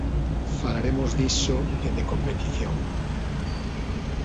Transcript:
Falaremos diso, e de competición.